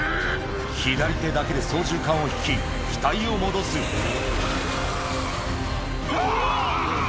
左手だけで操縦かんを引き機体を戻すうわ！